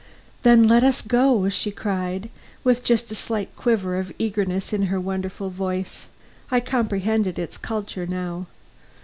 "Then let us go," she cried, with just a slight quiver of eagerness in her wonderful voice. I comprehended its culture now.